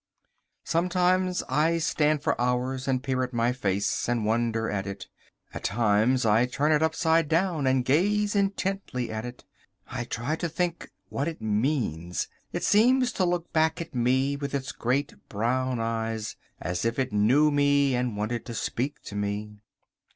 Sometimes I stand for hours and peer at my face and wonder at it. At times I turn it upside down and gaze intently at it. I try to think what it means. It seems to look back at me with its great brown eyes as if it knew me and wanted to speak to me.